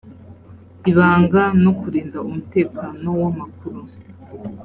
ibanga no kurinda umutekano w amakuru